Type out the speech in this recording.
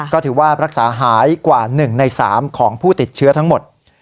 ก็ถือว่ารักษาหายกว่า๑ใน๓ของผู้ติดเชื้อทั้งหมด